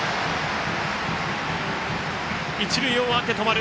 一塁を回って止まる。